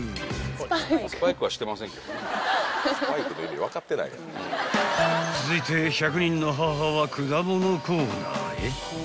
［続いて１００人の母は果物コーナーへ］